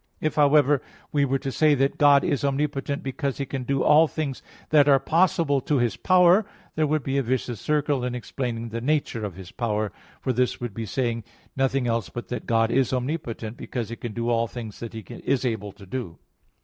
If, however, we were to say that God is omnipotent because He can do all things that are possible to His power, there would be a vicious circle in explaining the nature of His power. For this would be saying nothing else but that God is omnipotent, because He can do all that He is able to do.